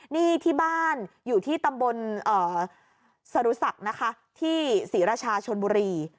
นี่ที่บ้านอยู่ที่ตำบลสรุศักดิ์นะคะที่ศรีราชาชนบุรี